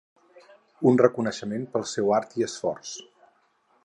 Un reconeixement pel seu art i esforç.